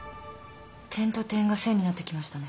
点と点が線になってきましたね。